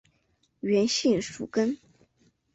原姓粟根。